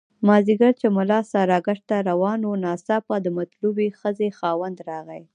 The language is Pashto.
مازیګر چې ملا ساراګشت ته روان وو ناڅاپه د مطلوبې ښځې خاوند راغی.